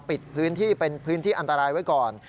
ปิดพื้นที่เป็นพื้นที่อันตรายไว้ก่อน